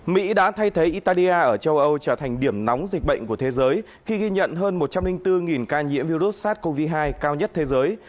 mỹ đã thay thế italia ở châu âu trở thành điểm nóng dịch bệnh của thế giới khi ghi nhận hơn một trăm linh bốn ca nhiễm virus sars cov hai cao nhất thế giới